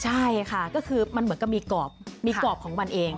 ใช่ค่ะก็คือมันเหมือนกับมีกรอบมีกรอบของมันเอง